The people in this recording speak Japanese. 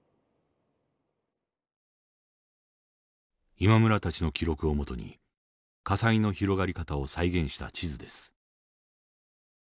今村たちの記録を基に火災の広がり方を再現した地図です。